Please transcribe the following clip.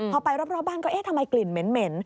พอไปรอบบ้านก็เอ๊ะทำไมกลิ่นเหม็น